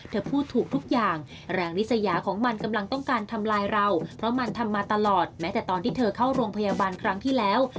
เธอพูดถูกทุกอย่างแรงนิสยาของมันกำลังต้องการทำลายเราเพราะมันทำมาตลอดแม้แต่ตอนที่เธอเข้าโรงพยาบาลครั้งที่แล้ว